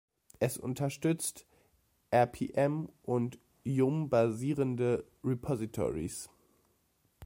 Es unterstützt rpm- und yum-basierende Repositories.